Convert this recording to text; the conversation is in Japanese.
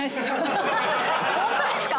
ホントですか？